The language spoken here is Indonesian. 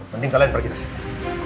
minta orang lain pergi dari sini